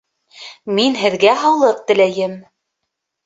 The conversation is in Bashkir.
Мин һеҙгә һаулыҡ теләйем